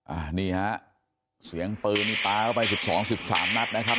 อันนี้ฮะเสียงปืนนี่ปลาเข้าไปสิบสองสิบสามนัดนะครับ